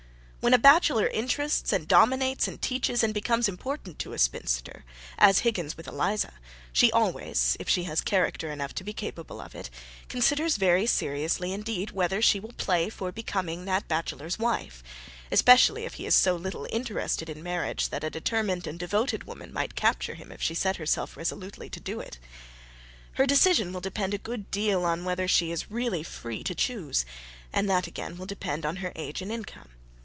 When a bachelor interests, and dominates, and teaches, and becomes important to a spinster, as Higgins with Eliza, she always, if she has character enough to be capable of it, considers very seriously indeed whether she will play for becoming that bachelor's wife, especially if he is so little interested in marriage that a determined and devoted woman might capture him if she set herself resolutely to do it. Her decision will depend a good deal on whether she is really free to choose; and that, again, will depend on her age and income.